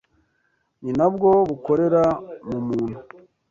ni nabwo bukorera mu muntu